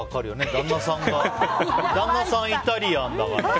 旦那さん、イタリアンだから。